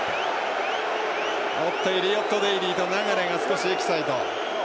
エリオット・デイリーと流が少しエキサイト。